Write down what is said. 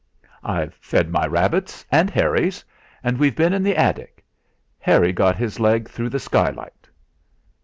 "I've fed my rabbits and Harry's; and we've been in the attic; Harry got his leg through the skylight."